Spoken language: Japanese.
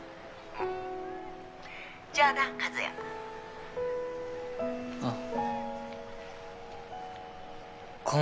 じゃあな和也ああ